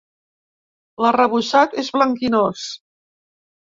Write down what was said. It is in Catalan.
L'arrebossat és blanquinós.